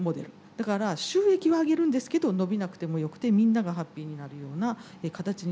だから収益は上げるんですけど伸びなくてもよくてみんながハッピーになるような形に多分変わらざるをえない。